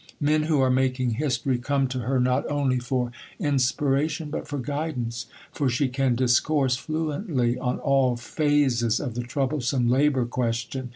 Men who are making history come to her not only for inspiration but for guidance, for she can discourse fluently on all phases of the troublesome labour question.